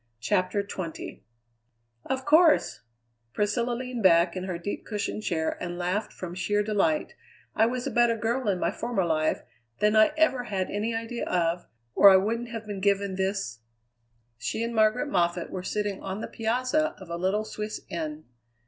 CHAPTER XX "Of course," Priscilla leaned back in her deep cushioned chair and laughed from sheer delight, "I was a better girl in my former life than I ever had any idea of, or I wouldn't have been given this " She and Margaret Moffatt were sitting on the piazza of a little Swiss inn.